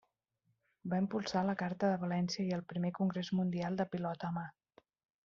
Va impulsar la Carta de València i el Primer Congrés Mundial de Pilota a Mà.